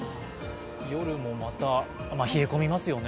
夜もまた冷え込みますよね。